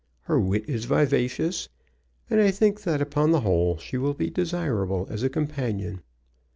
"Her wit is vivacious, and I think that upon the whole she will be desirable as a companion.